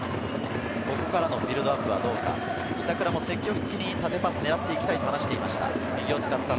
ここからのビルドアップはどうか、板倉も積極的に縦パスを狙っていきたいと話していました。